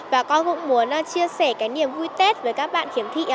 và con cũng muốn chia sẻ cái niềm vui tết với các bạn khiếm thị